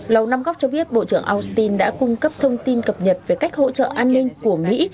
lầu năm góc cho biết bộ trưởng austin đã cung cấp thông tin cập nhật về cách hỗ trợ an ninh của mỹ